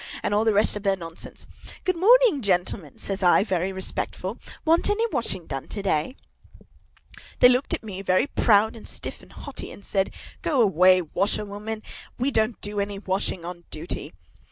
and all the rest of their nonsense. 'Good morning, gentlemen!' says I, very respectful. 'Want any washing done to day?' "They looked at me very proud and stiff and haughty, and said, 'Go away, washerwoman! We don't do any washing on duty.